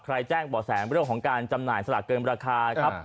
แจ้งบ่อแสเรื่องของการจำหน่ายสลากเกินราคาครับ